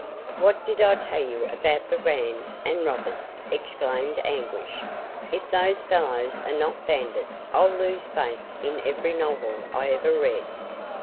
"What did I tell you about brigands and robbers!" exclaimed Anguish. "If those fellows are not bandits I'll lose faith in every novel I ever read."